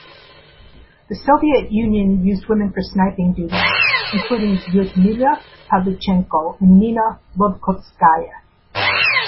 The Soviet Union used women for sniping duties, including Lyudmila Pavlichenko and Nina Lobkovskaya.